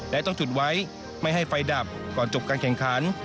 และต้องจุดไว้ไม่ให้ไฟดับก่อนจบการแข่งขัน